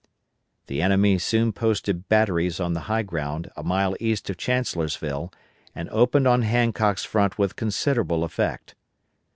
The enemy soon posted batteries on the high ground a mile east of Chancellorsville, and opened on Hancock's front with considerable effect.